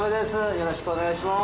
よろしくお願いします。